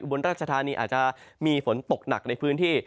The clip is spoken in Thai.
บนราชธานีอาจจะมีฝนตกหนักในพื้นที่